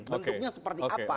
bentuknya seperti apa